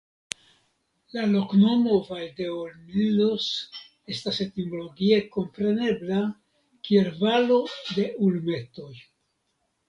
La loknomo "Valdeolmillos" estas etimologie komprenebla kiel Valo de Ulmetoj.